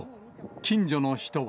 近所の人は。